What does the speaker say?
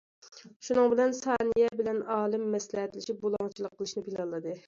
شۇنىڭ بىلەن سانىيە بىلەن ئالىم مەسلىھەتلىشىپ بۇلاڭچىلىق قىلىشنى پىلانلىدى.